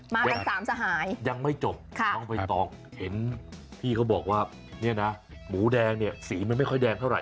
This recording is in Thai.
มากันสามสหายยังไม่จบน้องใบตองเห็นพี่เขาบอกว่าเนี่ยนะหมูแดงเนี่ยสีมันไม่ค่อยแดงเท่าไ